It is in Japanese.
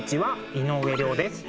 井上涼です。